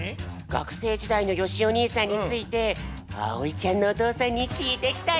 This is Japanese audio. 学生時代のよしお兄さんについてあおいちゃんのおとうさんにきいてきたよ！